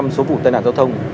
chín mươi số vụ tai nạn giao thông